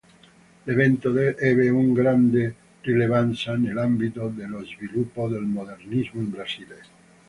L'evento ebbe una grande rilevanza nell'ambito dello sviluppo del modernismo in Brasile.